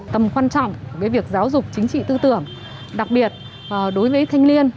tâm quan trọng với việc giáo dục chính trị tư tưởng đặc biệt đối với thanh niên